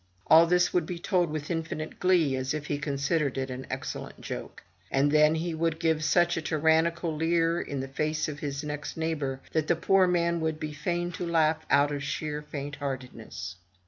All this would be told with infinite glee, as if he considered it an excellent joke; and then he would give such a tyrannical leer in the face of his next neighbor, that the poor man would be fain to laugh out of sheer faintheartedness.